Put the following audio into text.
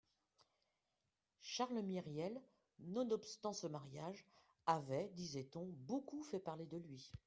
Charles Myriel, nonobstant ce mariage, avait, disait-on, beaucoup fait parler de lui